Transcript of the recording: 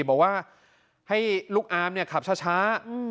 บอกว่าให้ลูกอาร์มเนี่ยขับช้า